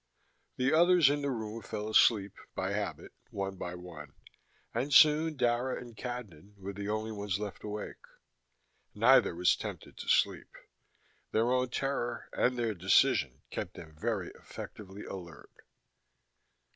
The others in the room fell asleep, by habit, one by one, and soon Dara and Cadnan were the only ones left awake. Neither was tempted to sleep: their own terror and their decision kept them very effectively alert.